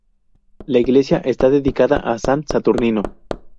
La iglesia está dedicada a San Saturnino.